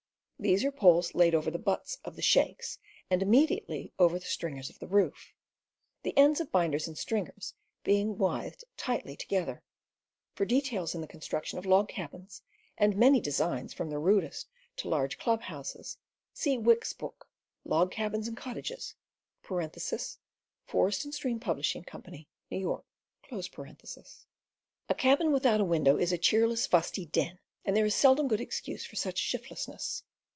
These are poles laid over the butts of the shakes and immediately over the stringers of the roof, the ends of binders and stringers being withed tightly together. For details in the construction of log cabins, and many designs from the rudest to large club houses, see Wicks's book Log Cabins and Cottages (Forest & Stream Pub. Co., New York). A cabin without a window is a cheerless, fusty den, and there is seldom good excuse for such shiftlessness.